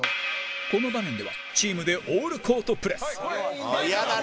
この場面ではチームでオールコートプレス山崎：イヤだな！